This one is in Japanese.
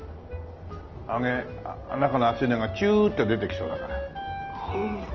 揚げ中の熱いのがチューって出てきそうだから。